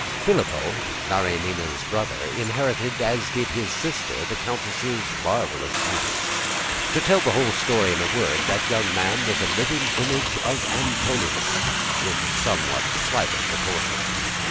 Filippo, Marianina's brother, inherited, as did his sister, the Countess' marvelous beauty. To tell the whole story in a word, that young man was a living image of Antinous, with somewhat slighter proportions.